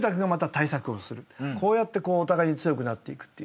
こうやってこうお互いに強くなっていくっていうね。